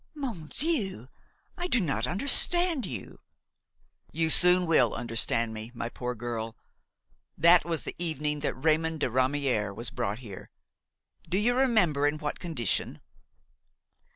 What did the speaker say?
"Mon Dieu! I do not understand you!" "You soon will understand me, my poor girl. That was the evening that Raymon de Ramière was brought here. Do you remember in what condition?"